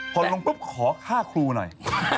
พอลงปุ๊บขอฆ่าครูหน่อย